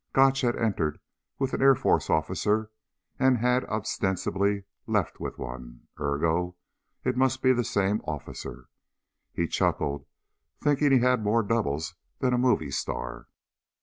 Gotch had entered with an Air Force officer and had ostensibly left with one; ergo, it must be the same officer. He chuckled, thinking he had more doubles than a movie star.